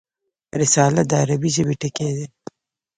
رساله د عربي ژبي ټکی دﺉ.